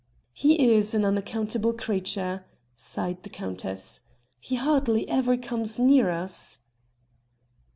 "He is an unaccountable creature!" sighed the countess. "He hardly ever comes near us."